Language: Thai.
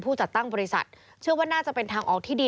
จัดตั้งบริษัทเชื่อว่าน่าจะเป็นทางออกที่ดี